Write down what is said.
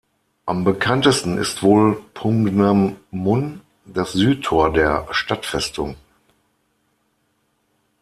Am bekanntesten ist wohl "Pungnam-mun", das Südtor der Stadtfestung.